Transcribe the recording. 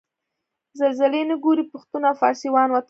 زلزلې نه ګوري پښتون او فارسي وان وطنه